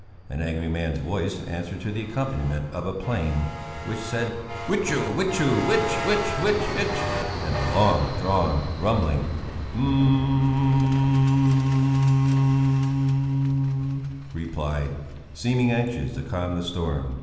An angry man's voice answered to the accompaniment of a plane which said hwitcho hwitcho hwitch hwitch hitch hitch. And a long drawn, rumbling mum mum mum mum mum mum mum _m_um replied, seemingly anxious to calm the storm.